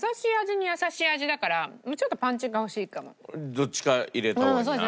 どっちか入れた方がいいんじゃない？